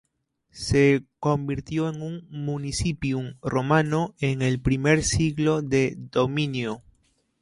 Se convirtió en un "municipium" romano en el primer siglo de dominio.